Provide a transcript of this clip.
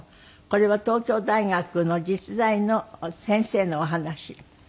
これは東京大学の実在の先生のお話。